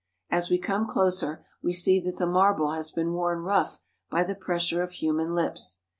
As we come closer we see that the marble has been worn rough by the pressure of human lips.